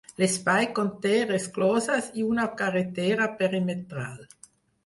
L’Espai conté rescloses i una carretera perimetral.